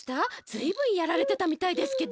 ずいぶんやられてたみたいですけど。